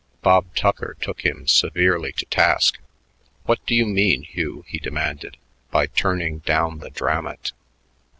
Bob Tucker took him severely to task. "What do you mean, Hugh," he demanded, "by turning down the Dramat?